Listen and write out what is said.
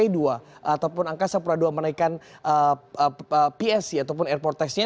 yang menaikan psi ataupun airport tax nya